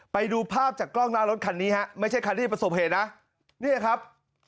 ไปดูภาพจากกล้องหน้ารถคันนี้ฮะไม่ใช่คันที่ประสบเหตุนะเนี่ยครับ